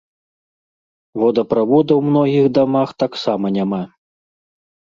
Водаправода ў многіх дамах таксама няма.